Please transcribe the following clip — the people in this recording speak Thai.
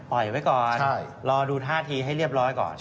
ปล่อยไว้ก่อนรอดูท่าทีให้เรียบร้อยก่อน